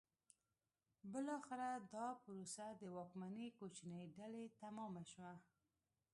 بالاخره دا پروسه د واکمنې کوچنۍ ډلې تمامه شوه.